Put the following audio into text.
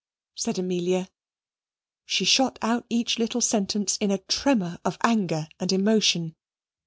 said Amelia. She shot out each little sentence in a tremor of anger and emotion.